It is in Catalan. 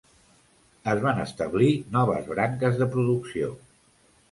Es van establir noves branques de producció.